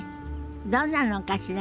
どんなのかしらね。